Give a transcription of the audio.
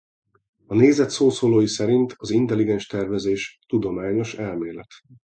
A nézet szószólói szerint az intelligens tervezés tudományos elmélet.